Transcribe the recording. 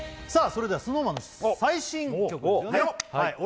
それではＳｎｏｗＭａｎの最新曲ですよね